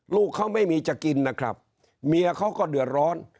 ลูกเขาไม่มีจะกินนะครับเมียเขาก็เดือดร้อน